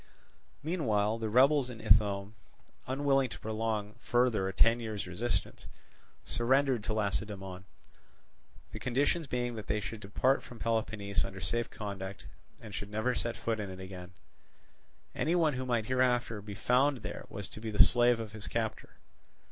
Meanwhile the rebels in Ithome, unable to prolong further a ten years' resistance, surrendered to Lacedaemon; the conditions being that they should depart from Peloponnese under safe conduct, and should never set foot in it again: any one who might hereafter be found there was to be the slave of his captor.